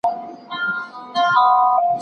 پانګه د ټکنالوژۍ د پېرلو لپاره بنسټ جوړوي.